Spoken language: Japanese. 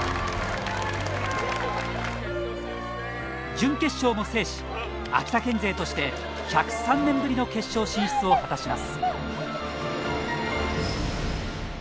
準決勝も制し秋田県勢として１０３年ぶりの決勝進出を果たします。